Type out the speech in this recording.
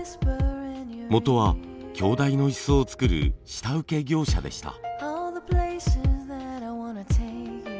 もとは鏡台の椅子を作る下請け業者でした。